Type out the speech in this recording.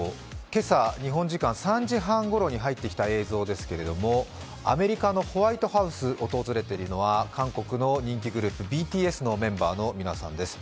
今朝、日本時間３時半ごろに入ってきた映像ですけれども、アメリカのホワイトハウスを訪れているのは韓国の人気グループＢＴＳのメンバーの皆さんです。